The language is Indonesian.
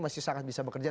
masih sangat bisa bekerja